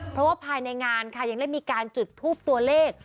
เพราะว่าภายในงานค่ะยังได้มีการจุดทูปตัวเลข